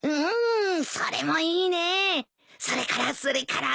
それからそれから？